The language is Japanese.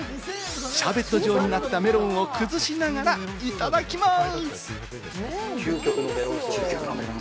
シャーベット状になったメロンを崩しながら、いただきます。